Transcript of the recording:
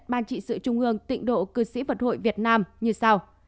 ban trị sự trung ương tịnh độ cư sĩ vật hội việt nam như sau